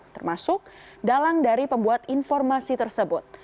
termasuk dalang dari pembuat informasi tersebut